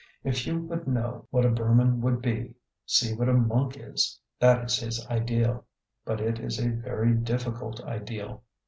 If you would know what a Burman would be, see what a monk is: that is his ideal. But it is a very difficult ideal.